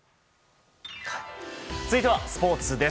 続いてはスポーツです。